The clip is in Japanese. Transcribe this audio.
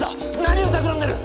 何をたくらんでる！